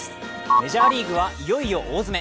メジャーリーグはいよいよ大詰め。